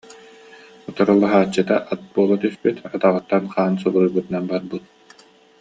Утарылаһааччыта ат буола түспүт, атаҕыттан хаан субуруйбутунан барбыт